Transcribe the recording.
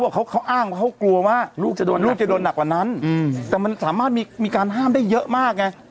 เขาอ้างว่าเขากลัวว่าลูกจะโดนลูกจะโดนหนักกว่านั้นแต่มันสามารถมีการห้ามได้เยอะมากไง